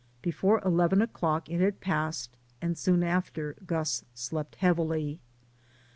Before eleven o'clock it had passed; soon after Gus slept heavily.